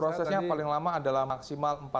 prosesnya paling lama adalah maksimal empat belas